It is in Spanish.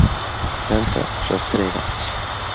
Planta rastrera.